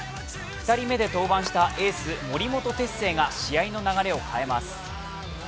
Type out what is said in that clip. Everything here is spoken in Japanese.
２人目で登板したエース・森本哲星が試合の流れを変えます。